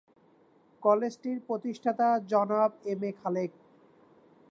কলেজটির প্রতিষ্ঠাতা জনাব M A Khalek.